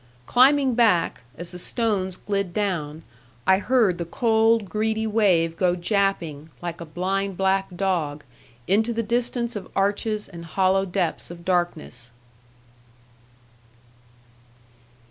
Climbing back, as the stones glid down, I heard the cold greedy wave go japping, like a blind black dog, into the distance of arches and hollow depths of darkness.